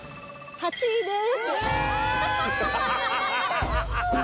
８位です。